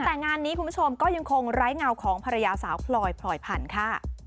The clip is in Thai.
แต่งานนี้คุณผู้ชมก็ยังคงไร้เงาของภรรยาสาวพลอยพลอยพันธุ์ค่ะ